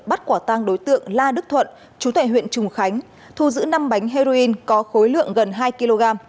bắt quả tang đối tượng la đức thuận chú thể huyện trùng khánh thu giữ năm bánh heroin có khối lượng gần hai kg